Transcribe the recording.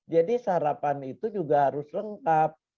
jadi sarapan itu juga harus lengkap